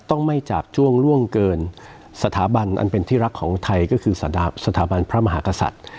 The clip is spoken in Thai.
ต้องไม่จาบจ้วงล่วงเกินสถาบันอันเป็นที่รักของไทยก็คือสถาบันพระมหากษัตริย์